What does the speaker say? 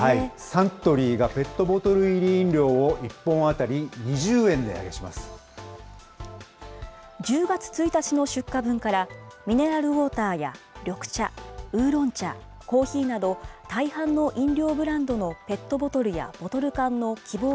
サントリーがペットボトル入り飲料を１本当たり２０円値上げ１０月１日の出荷分から、ミネラルウォーターや緑茶、ウーロン茶、コーヒーなど大半の飲料ブランドのペットボトルやボトル缶の希望